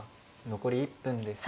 残り１分です。